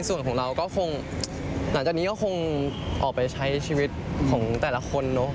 ส่วนของเราก็คงหลังจากนี้ก็คงออกไปใช้ชีวิตของแต่ละคนเนอะ